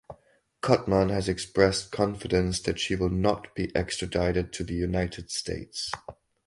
Kottmann has expressed confidence that she will not be extradited to the United States.